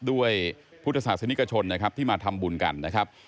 ด้วยพุทธศาสนิกชนนะครับที่มาทำบุญกันนะครับ